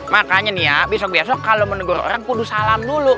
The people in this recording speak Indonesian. makanya nih ya besok besok kalau menegur orang kudus salam dulu